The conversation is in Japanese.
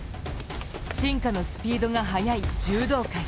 進化のスピードが速い柔道界。